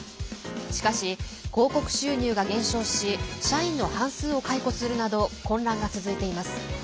しかし、広告収入が減収し社員の半数を解雇するなど混乱が続いています。